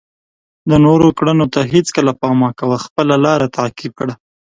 د نورو کړنو ته هیڅکله پام مه کوه، خپله لاره تعقیب کړه.